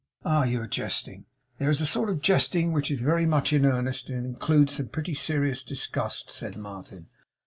'Ah! You are jesting!' 'There is a sort of jesting which is very much in earnest, and includes some pretty serious disgust,' said Martin.